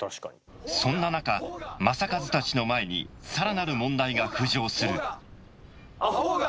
そんな中正一たちの前にさらなる問題が浮上するアホウが！